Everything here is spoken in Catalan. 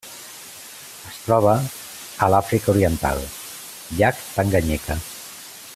Es troba a l'Àfrica Oriental: llac Tanganyika.